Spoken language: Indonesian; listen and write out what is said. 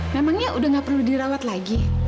memangnya udah gak perlu dirawat lagi